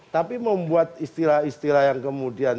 tapi membuat istilah istilah yang kemudian